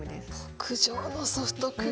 牧場のソフトクリーム。